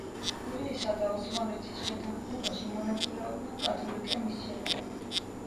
გურიისა და ოსმალეთის შეთანხმებაში მონაწილეობდნენ კათოლიკე მისიონერები.